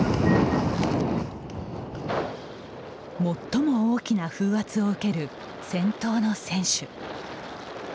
最も大きな風圧を受ける先頭の選手。